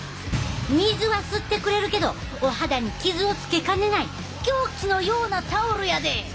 水は吸ってくれるけどお肌に傷をつけかねない凶器のようなタオルやで！